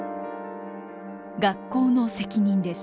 学校の責任です。